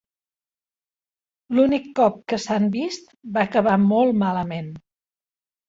L'únic cop que s'han vist va acabar molt malament.